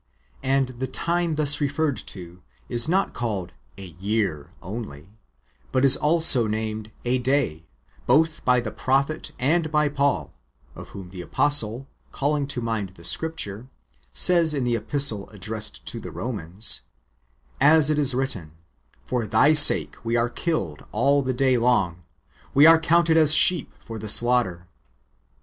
And the time thus referred to is not called " a year " only, but is also named " a day " both by the prophet and by Paul, of whom the apostle, calling to mind the Scripture, says in the epistle addressed to the Eomans, " As it is written, for thy sake we are killed all the 1 Matt. v. 45. 2 isa. V. 12. 198 IRENJ^US AGAINST HERESIES. [Book ii. day long, we are counted as sheep for the slaughter."